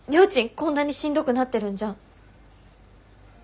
こんなにしんどくなってるんじゃん。